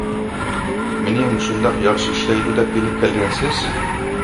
مېنى مۇشۇنداق ياخشى ئىشلەيدۇ دەپ ئېلىپ كەلگەنسىز؟